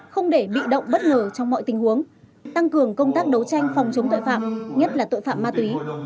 không để bị động bất ngờ trong mọi tình huống tăng cường công tác đấu tranh phòng chống tội phạm nhất là tội phạm ma túy